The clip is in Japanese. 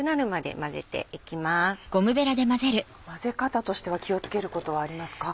混ぜ方としては気を付けることはありますか？